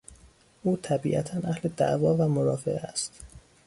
او طبیعتا اهل دعوا و مرافعه است.